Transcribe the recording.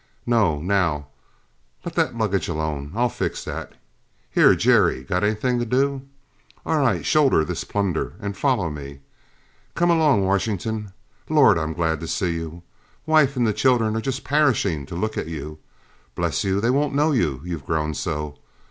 No, now, let that luggage alone; I'll fix that. Here, Jerry, got anything to do? All right shoulder this plunder and follow me. Come along, Washington. Lord I'm glad to see you! Wife and the children are just perishing to look at you. Bless you, they won't know you, you've grown so.